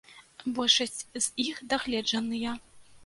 Большасць з іх дагледжаныя.